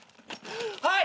はい！